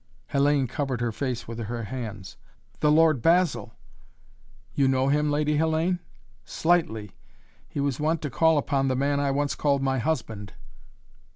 Hellayne covered her face with her hands. "The Lord Basil!" "You know him, Lady Hellayne?" "Slightly. He was wont to call upon the man I once called my husband."